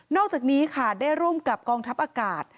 อกจากนี้ค่ะได้ร่วมกับกองทัพอากาศ